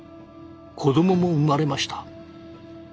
子どもも生まれました。